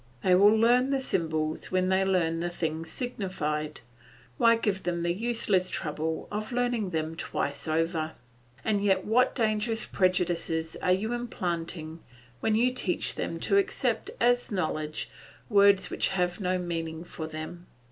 They will learn the symbols when they learn the things signified; why give them the useless trouble of learning them twice over? And yet what dangerous prejudices are you implanting when you teach them to accept as knowledge words which have no meaning for them.